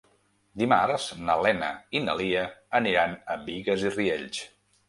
Dimarts na Lena i na Lia aniran a Bigues i Riells.